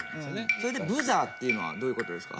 それでブザーっていうのはどういうことですか？